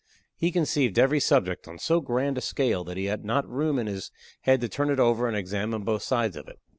He conceived every subject on so grand a scale that he had not room in his head to turn it over and examine both sides of it.